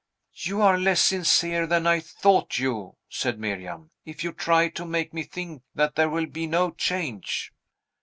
"You are less sincere than I thought you," said Miriam, "if you try to make me think that there will be no change."